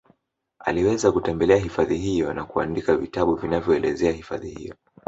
Aliweza kutembelea hifadhi hiyo na kuandika vitabu vinavyoelezea hifadhi hiyo